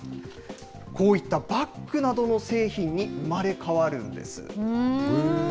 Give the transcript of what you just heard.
こういったバッグなどの製品に生まれ変わるんです。